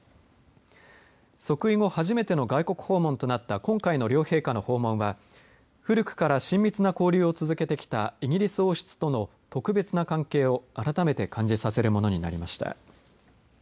即位後初めての外国訪問となった今回の両陛下の訪問は古くから親密な交流を続けてきたイギリス王室との特別な関係を改めて感じさせるものになりました。